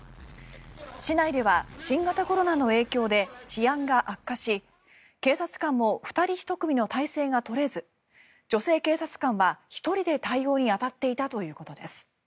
市内では、新型コロナの影響で治安が悪化し警察官も２人１組の態勢が取れず女性警察官は１人で対応に当たっていたということです。